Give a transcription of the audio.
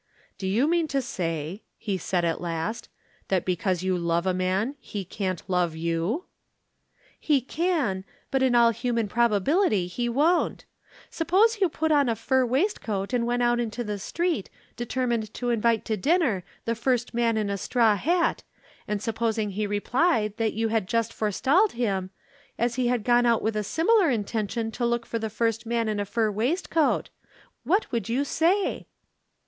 "Do you mean to say," he said at last, "that because you love a man, he can't love you?" "He can. But in all human probability he won't. Suppose you put on a fur waistcoat and went out into the street, determined to invite to dinner the first man in a straw hat, and supposing he replied that you had just forestalled him, as he had gone out with a similar intention to look for the first man in a fur waistcoat. What would you say?"